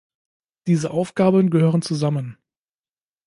Diese Aufgaben gehören zusammen.